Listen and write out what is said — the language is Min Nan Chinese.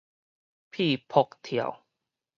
咇噗跳